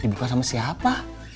dibuka sama siapa